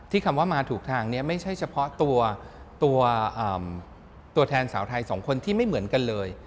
คำว่ามาถูกทางนี้ไม่ใช่เฉพาะตัวแทนสาวไทยสองคนที่ไม่เหมือนกันเลย